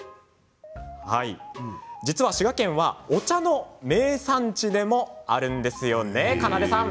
実は滋賀県はお茶の名産地でもあるんですよね、かなでさん。